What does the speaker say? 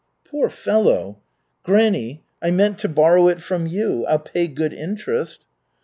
"Poor fellow!" "Granny, I meant to borrow it from you. I'll pay good interest."